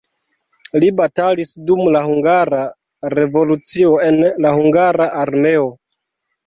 Li batalis dum la hungara revolucio en la hungara armeo.